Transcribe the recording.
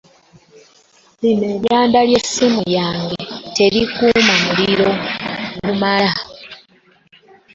Lino eryanda ly'essimu yange terikuuma muliro gumala.